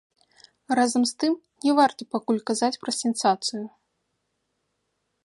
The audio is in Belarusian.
Разам з тым, не варта пакуль казаць пра сенсацыю.